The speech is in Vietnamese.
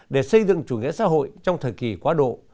để xây dựng chủ nghĩa xã hội trong thời kỳ quá độ